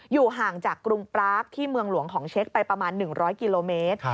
อยู่ห่างจากกรุงปรากที่เมืองหลวงของเช็คไปประมาณ๑๐๐กิโลเมตร